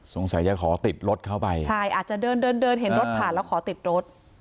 สงสัยจะขอติดรถเข้าไปใช่อาจจะเดินเดินเดินเห็นรถผ่านแล้วขอติดรถ